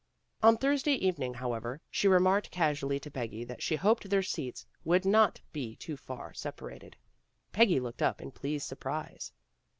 On Thursday evening, however, she remarked casually to Peggy that she hoped their seats would not be too far separated. Peggy looked up in pleased surprise.